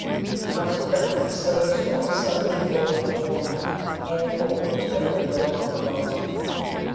Consequently the slaves were all summoned before the noble woman, and informed that they were no longer bondsmen.